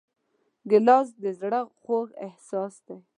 ګیلاس د زړه خوږ احساس دی.